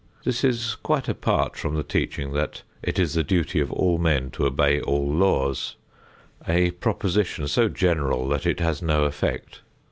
This is quite apart from the teaching that it is the duty of all men to obey all laws, a proposition so general that it has no effect.